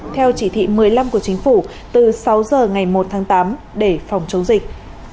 theo chỉ thị một mươi năm của chính phủ từ sáu giờ ngày một tháng tám để phòng chống dịch